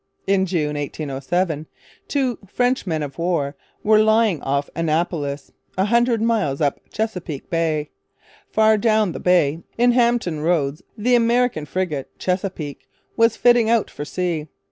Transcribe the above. In June 1807 two French men of war were lying off Annapolis, a hundred miles up Chesapeake Bay. Far down the bay, in Hampton Roads, the American frigate Chesapeake was fitting out for sea.